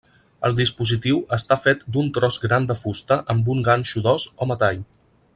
El dispositiu està fet d'un tros gran de fusta amb un ganxo d'os o metall.